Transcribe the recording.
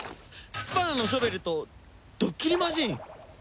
スパナのショベルとドッキリマジーン？